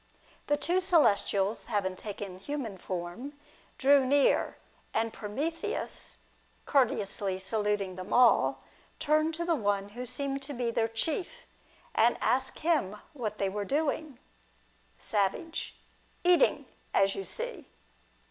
The two celestials, having taken human form, drew near, and Prometheus, courteously saluting them all, turned to the one who seemed to be their chief, and asked him what they were doing, lavage. Eating, as you see.